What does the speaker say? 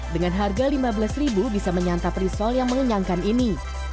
dengan harga lima belas bisa menyantap risol yang mengenyangkan ini